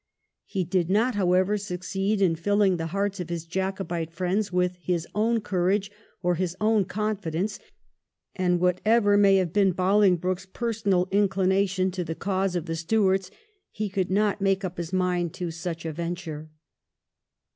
He did not, however, succeed in filling the hearts of his Jacobite friends with his own courage or his own confidence, and whatever may have been Boling broke's personal inclination to the cause of the Stuarts he could not make up his mind to such a 1714 THE DUKE OF SHREWSBURY. 353 venture.